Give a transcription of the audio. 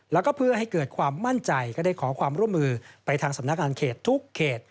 แล้วก็เพื่อให้เกิดความมั่นใจก็ได้ขอความร่วมมือไปทางสำนักงานเขตทุกเขต